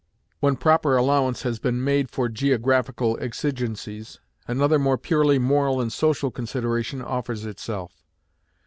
When proper allowance has been made for geographical exigencies, another more purely moral and social consideration offers itself.